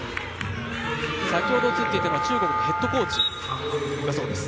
先ほど映っていたのは中国のヘッドコーチだそうです。